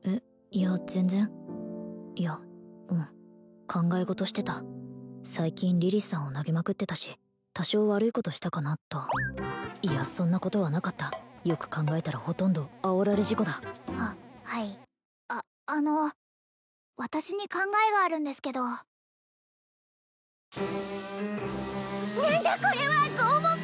いや全然いやうん考え事してた最近リリスさんを投げまくってたし多少悪いことしたかなといやそんなことはなかったよく考えたらほとんどあおられ事故だははいああの私に考えがあるんですけど何だこれは拷問か？